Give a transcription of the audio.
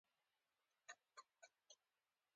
سالمن کب د سیند مخالف لوري ته ځي